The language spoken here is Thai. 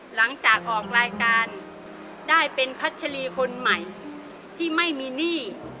หลังจากออกรายการได้เป็นพัชรีคนใหม่ที่ไม่มีหนี้